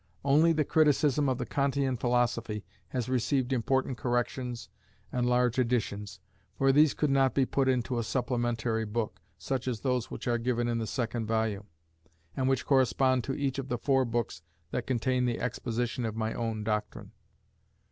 Only the criticism of the Kantian philosophy has received important corrections and large additions, for these could not be put into a supplementary book, such as those which are given in the second volume, and which correspond to each of the four books that contain the exposition of my own doctrine.